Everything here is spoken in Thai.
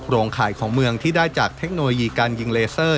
ข่ายของเมืองที่ได้จากเทคโนโลยีการยิงเลเซอร์